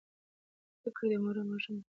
زدهکړې د مور او ماشوم د مړینې کچه راټیټوي.